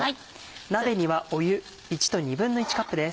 鍋には湯１と１／２カップです。